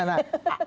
nah nah nah